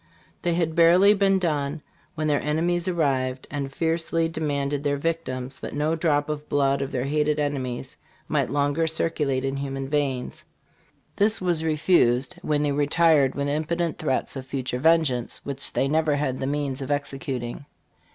This had barely been done when their enemies arrived and fiercely demanded their victims, that no drop of blood of their hated enemies might longer circulate in human veins. This was refused, when they retired with impotent threats of future vengeance, which they never had the means of executing.